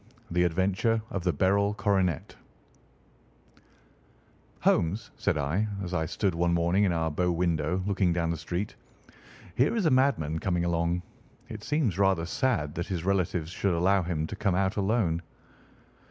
THE ADVENTURE OF THE BERYL CORONET "Holmes," said I as I stood one morning in our bow window looking down the street, "here is a madman coming along. It seems rather sad that his relatives should allow him to come out alone."